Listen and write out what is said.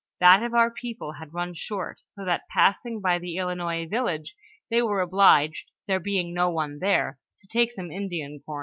That of our people had run short, so that passing by the Ilinois village, they were obliged, there being no one there, to take some Indian com.